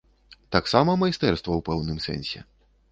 Таксама майстэрства ў пэўным сэнсе.